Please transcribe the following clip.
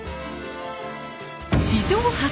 史上初！